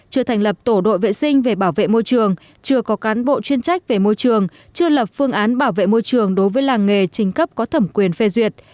chưa thành lập tổ đội vệ sinh về bảo vệ môi trường chưa có cán bộ chuyên trách về môi trường chưa lập phương án bảo vệ môi trường đối với làng nghề trình cấp có thẩm quyền phê duyệt